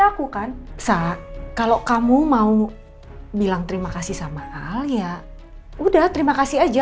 aku kan sah kalau kamu mau bilang terima kasih sama al ya udah terima kasih aja